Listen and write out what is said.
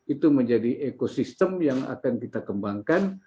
itu menjadi ekosistem yang akan kita kembangkan